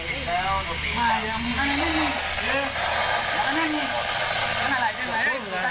คลุมคลั่งเดินวนไปวนมาอยู่หน้าบ้านแล้วก็พูดจ่าเสียงดังโยยวาย